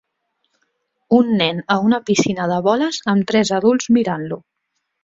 Un nen a una piscina de boles amb tres adults mirant-lo